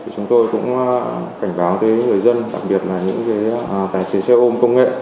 chúng tôi cũng cảnh báo tới người dân đặc biệt là những tài xế xe ôm công nghệ